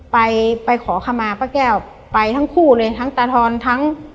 ไปไปขอขมาป้าแก้วไปทั้งคู่เลยทั้งตาทอนทั้ง